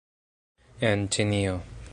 En Ĉinio